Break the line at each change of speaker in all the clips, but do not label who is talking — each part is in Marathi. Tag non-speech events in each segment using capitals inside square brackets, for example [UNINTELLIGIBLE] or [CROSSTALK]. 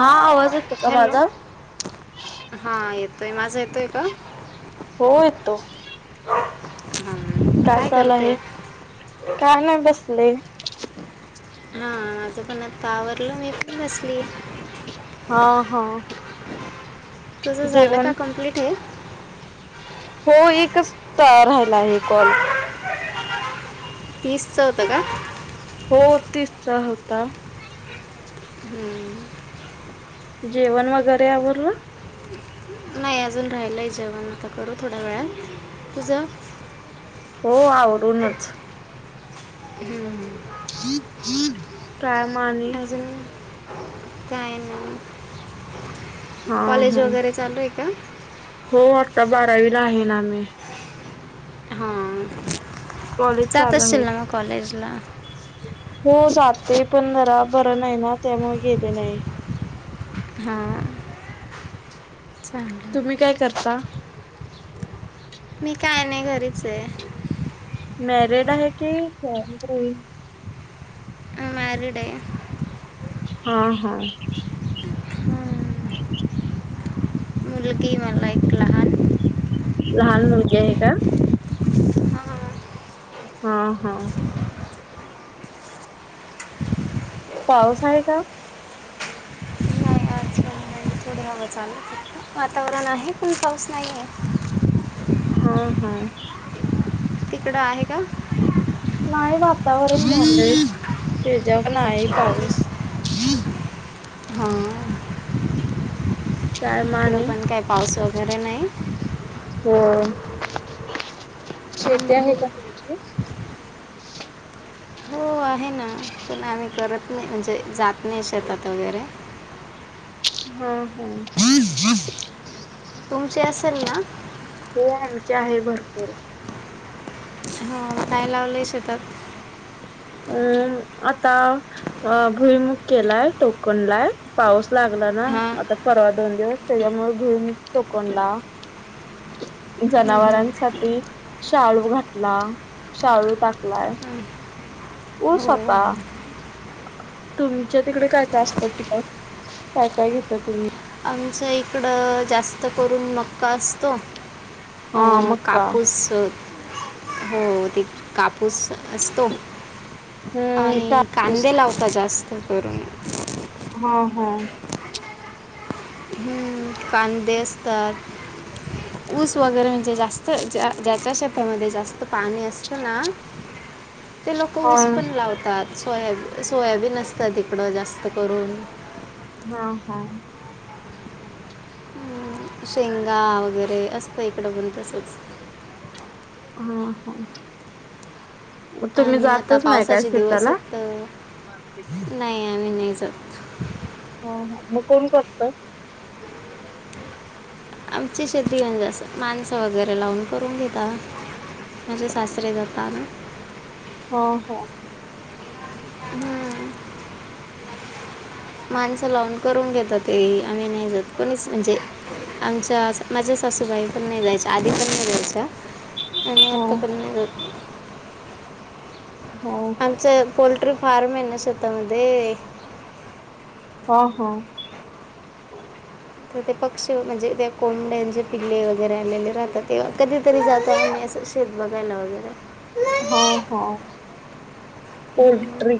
हा आवाज येते का माझा
हा येतोय माझा येतोय का
हो येतो.
हां
काय चाल
करते
आहे काय नाही बसले
हा आता पण आतावरलो मी पण बसली
हा हा
तुझं झालं का
जेवण
कमप्लीट हे
हो एकच राहिला आहे कॉल
फीस चवत का
हो तिचचा होता
हम्म
जेवण वगैरे यावर
नाही अजून राहियलाही जेवण आता कू थोड्या वेळात तुझं
हो आवडूनच
हम्
काय माने
अजून काय ना
हा
कॉलेज
हा.
वगैरे चालूय का
हो आत्ता बारावीला आहे ना आ्ही
हा
कॉलेज चालू आहे.
जातशील ना मग कॉलेजला
हो सात ते पंधरा बरं नाही ना त्यामुळे गेले नाही
हा
तुम्ही काय करता
मी काय नाही घरीच आहेय
मॅरिड आहे की ह
अ मॅरड आहे
हा हा
हां. मुलगी मला एक लहान
लहान मुलगी आहे का
हां
हा हा पाऊस आहे का
ल वातावरण आहे पण पाऊस नाहीे
हा हा
तिकडं आहे का
नाही वातावरण त्याच्यावर आहे पाऊस
हो
काय म
इकडं
आणि?
पण काय पाऊस वगैरे नाही
अ शेती
हम्म.
आहे का तुमची
हो आहे ना पण आम्ही करत नाही म्हणजे जात नाही शेतात वगैरे
हा ह हम् हम्
तुमची असेल ना
हो आमची आहे भरपूर
हा काय लावले शेतात
अम आता अ भुईमुख केलाय टोकणलाय पाऊस लागला ना
हां
आता परवा दोन दिवस त्याच्यामुळे घुरून तोकणला जनावरांसाठी शाळू घातला शाळू टाकलाय होऊ सपा तुमच्या तिकडे काय काय असतं तिक काय काय घेत तुम्ही
आमचं इकडं जास्त करून मक्का असतो अ
हा मक्का
कापूस हो ते कापूस असतो
हम्म
आणि
कापूस
कांदे लावताात जास्त करून
हा हा
कदेसतर ऊस वगैरे म्हणजे जास्त ज्याच्या शता मध्ये जास्त पाणी असतना ते लोक
हा
ऊस
हा
पण लावता सोयाबी सोयाबीन असतात तिकडं जास्त करून
हा हा
शेंगा वगैरे असतो इकड बण तसच
हा हा मग तुम्ही
आणि आता
जातच नाही काय
पावसाचे दिवस
शेताला
आहेत नाही आम्ही नाही जातत
हा हा मग कोण करतो
आमची शेती म्हणज माणसं वगैरे लावून करून घेता माझे सासरे जातात ना
हा हा
हम्म माणसं लावून करून घेतात ते आम्ही नाही जात कोणीच म्हणजे आमच्या माझ्या सासूबाई पण नाही जायच आधी पण नाही जायचं आणि
हा
आत्ता पण नाही
हा
आमचं पोल्ट्री फार्म आहे ना स्वतःमध्ये
हा हा
तर ते पक्षी म्हणजे त्या कोंड्यांचे पिल्ले वगैरे आलेले राहतात तेव्हा कधीतरी जात शेत बघायला वगैरे.
हा हा पोलट्री.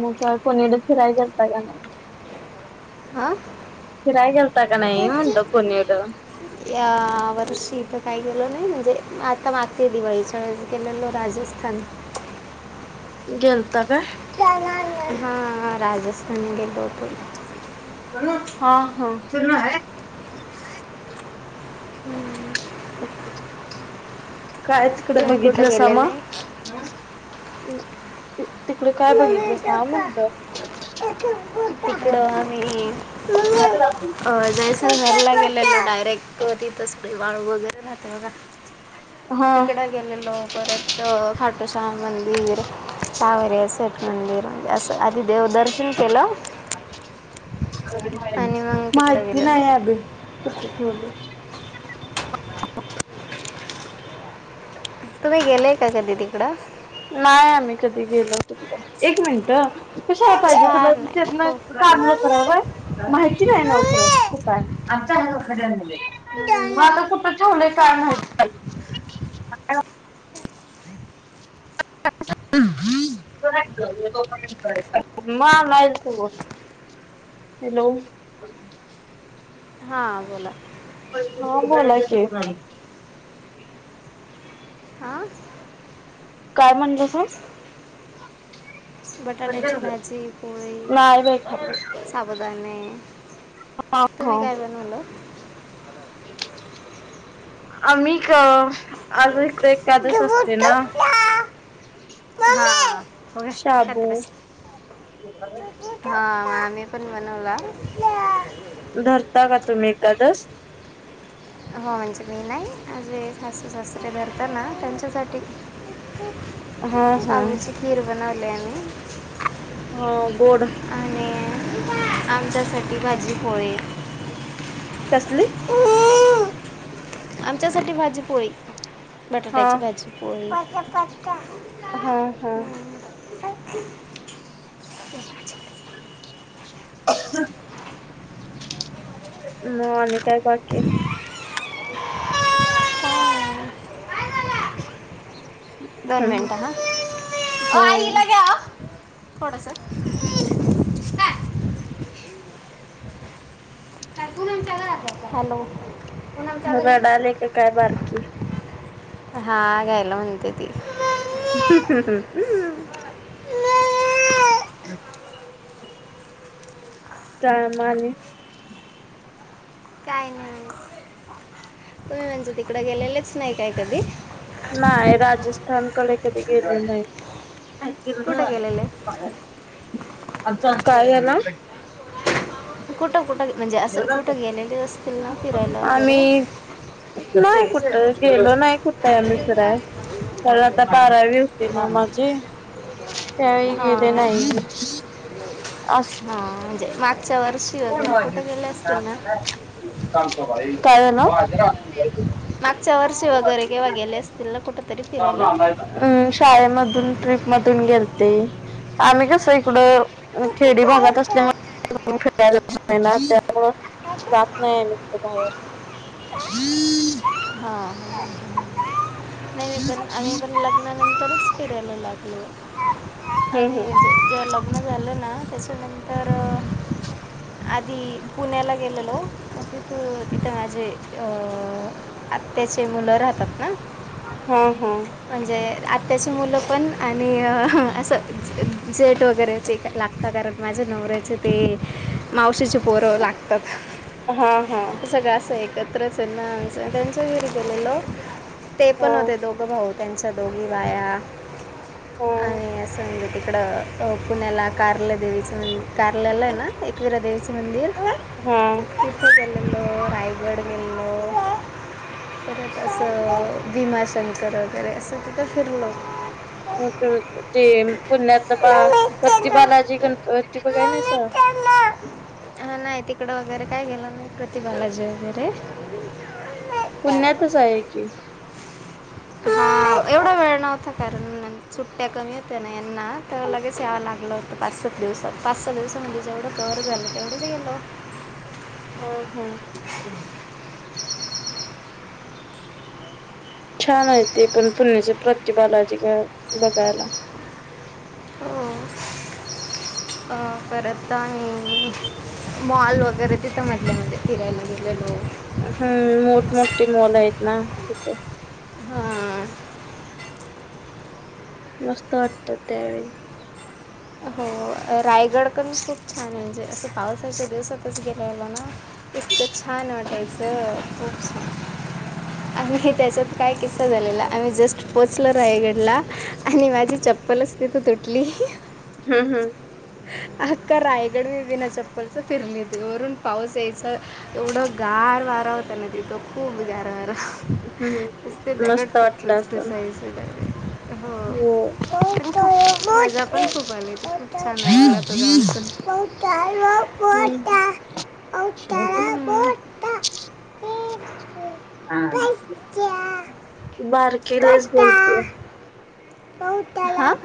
मग का कोणीला फिराई करता का नाही?
आा.
फिराय घेलता का नाही म्हणतो कोणीड
या वर्षी इथं काही केलं नाही म्हणजे आता मागते दिवाळीच्या वळे गलेलो राजस्थान. ह
गेलता काय?
हा राजस्थान गेलो होतो.
हा हा आहे.
हम्म
[UNINTELLIGIBLE] काय तिकड
तुम्ही कुठं
बघितलं समा
गेलेले
तिकडे काय
मम्मी
बघितलसा
डोका
म्हंटल
तिकडं आम्ही अ जायस मेर गेलेलो डायरेक्ट डायरेक्ट तिथ चं. बाळू वगैरे राह का
हा
तिकड गेले लवकरत परत. राम मंदिर सावरे शेठ मंदिर म्हणजे असं आधि. देवदर्शन केलं. आणि मग तिकडं
माहिती
गेलेलो
नाही अभी कुठे ठेवले.
तुम्ही गेलेय का का दीदी कुड.
नाही आम्ही कधी गेलो तिकड एक मिनट. कशाला पाहिजे तुला
छान आहे हो
कानूल कराय
मम्मी
माहिती नाही नव्ह
मम्मी
कुठाय.
डाना जा
[UNINTELLIGIBLE]
[INAUDIBLE]
[UNINTELLIGIBLE] हॅलो!
हां बोला
हा बोला कि.
आा
काय म्हणलंसा
बटाट्याची भाजी
नाही बाई खात.
पोळी साबुदाणे.
हा हा.
तुम्ही काय बनवल.
आम्ही आज एक एकादस
गहू
असते ना.
तुटला हा हा
शाबू
हा. मी पण बनवणार.
धरता का तुम्ही एकदास.
हो म्हणजे मी नाही जे सासू सासरे धरत ना त्यांच्यासाठी.
हा हा
आमची खीर बनवले. आम्ही.
हा गोड.
आणि आमच्यासाठी भाजी पोळी.
कस..
आमच्यासाठी भाजी पोळी.
हा
बटाट्याची भाजी पोळी
हा हा.
[UNINTELLIGIBLE]
[UNINTELLIGIBLE] म आणि काय बाकी? [UNINTELLIGIBLE]
दोन मिनट ह ओ
हा
आईला हिला घ्याओ थोडस. [UNINTELLIGIBLE] [INAUDIBLE] हॅलो पूनमच्या घरी
रडाले का काय बारकी!
हा घ्यायला म्हणते ती.
[INAUDIBLE] कमान
काय नाही तुम्ही म्हणजे तिकडं गेलेलेच नाही काय कधी?
नाय राजस्थानकडे कधी गेल नाही
कुठं गेलेले
आमच काय आहे ना [INAUDIBLE]
कुठं कुठ [INAUDIBLE] म्हणजे असं कुठं गेलेले असतील ना फिरायला वगैरे
आम्ही नाही कुठं गेलो नाही कुठंय आम्ही फिराय तर आता कारावी होते ना माझे..
हा हा म्हणजे मागच्या वर्ष
काय झालं
मागच्या वर्षी वगैरे केव्हा गेले असतील ना कुठंतरी फिरायला
म् शाळेमध्ये तुम्ही ट्रिप मधून गेलते आम्ही कस इकड खेडी भागात असल्यामुले [INAUDIBLE] जात नाही आम्ही कुठे बाहेर
नेहमी पण आम्ही पण लग्नानंतरच फिरायला लागलो आणि
हम्म
जे लग्न झाले ना त्याच्यानंतर आधी [INAUDIBLE] पुण्याला गेलेलो तिथ तिथं माझे अ आत्याचे मुलं राहत [INAUDIBLE] [INAUDIBLE] का
हम्म
म्हणजे आताची मुलं पण आणि असं जेट वगैरेची का लागत कारण माझ्या नवऱ्याचे ते मावशीची पोरं लागतात
हा हा
सगळं असं एकत्रच ना सगल्याच्या घरी गेलेलो ते पण
हा
होते दोघ भाऊ त्यांच्या दोघी बाया
हा
आणि असं म्हज [INAUDIBLE] इकडं पुण्याला कार्ल देवीचे म कारल्याला आहे ना एकविरा देवीच मंदिर
हम्म
[INAUDIBLE] रायगड गेलो परत असं भीमाशंकर वगैरे असं तिथं फिरलो.
हो त म ते पुण्यातलं बा प्रती बालाजी गणपती बघाय नाहीसा
हा नाही तिकड वगैरे काय गेलं नाही प्रतिबाला जी वगैरे..
पुण्यातच आहे की.
हा एवढा वेळ.. [UNINTELLIGIBLE] कारण सुट्ट्या कमी होत्या ना ह्यांना त लगेच या लागलं होत पाच सात दिवसात. [INAUDIBLE]
हा हा. छान आहे ते पण पुण्याचे प्रति बालाजी बघायला.
हो. परता आहे [INAUDIBLE] मॉल वगैरे तिथं म्हटलं म्ह फिरायला गेलेलो.
हम्म मोठमोठे मोल आहेत ना तिथं.
हम्म.
मस्त वाटत त्यावेली.
हो रायगड पण खूप छान आहे म्हणजे असं पावसाच्या दिवसातच गेलेलो ना. [UNINTELLIGIBLE] खूप छान. आम्ही त्याच्यात काय किस्सा झालेला आम्ही जस्ट पोचलो रायगडला.. आणि माझी चप्पलच तिथ तुटली.
हम्म हम्.
अक्का रायगड म विना चप्पलच फिरणी वून पाऊस यायच एवढं घान गार वारा होता ना तिथं खूप गार वारा.
हम्म मस्त वाटलं असंल. हो
[UNINTELLIGIBLE] [INAUDIBLE]
हम्म.
[INAUDIBLE]
[UNINTELLIGIBLE] हा बारकीेलाच बोलते.
[UNINTELLIGIBLE]